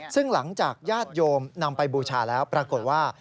ซึ่งหลังจากญาติโยมนำไปบูชาแล้วปรากฏว่า